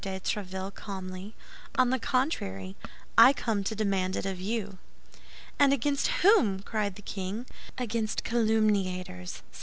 de Tréville, calmly, "on the contrary, I come to demand it of you." "And against whom?" cried the king. "Against calumniators," said M.